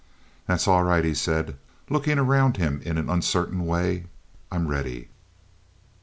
"That's all right," he said, looking around him in an uncertain way. "I'm ready."